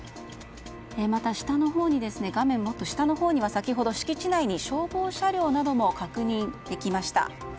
また、画面下のほう先ほど、敷地内に消防車両なども確認できました。